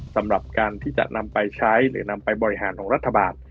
สำหรับการที่จะนำไปใช้หรือนำไปบริหารของรัฐบาล